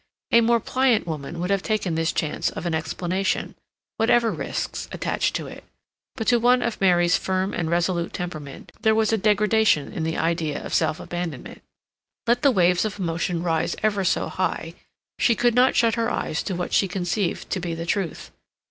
A more pliant woman would have taken this chance of an explanation, whatever risks attached to it; but to one of Mary's firm and resolute temperament there was degradation in the idea of self abandonment; let the waves of emotion rise ever so high, she could not shut her eyes to what she conceived to be the truth.